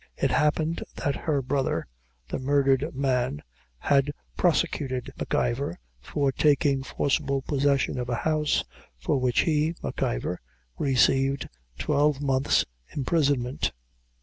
It happened that her brother, the murdered man, had prosecuted M'Ivor for taking forcible possession of a house, for which he, M'Ivor, received twelve months' imprisonment.